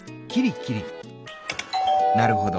「なるほど。